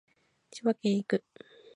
千葉県へ行く